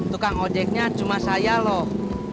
tukang ojeknya cuma saya loh